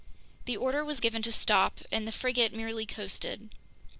The order was given to stop, and the frigate merely coasted.